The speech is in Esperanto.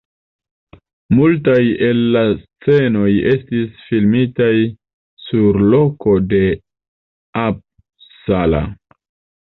Multaj el la scenoj estis filmitaj sur lokoj de Uppsala.